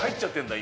今。